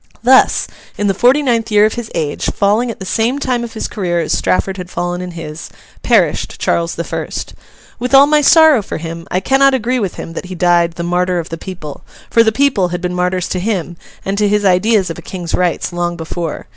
Thus, in the forty ninth year of his age, falling at the same time of his career as Strafford had fallen in his, perished Charles the First. With all my sorrow for him, I cannot agree with him that he died 'the martyr of the people;' for the people had been martyrs to him, and to his ideas of a King's rights, long before.